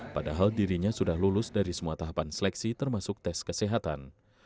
padahal dirinya sudah lulus dari semua tahapan seleksi termasuk tes kesehatan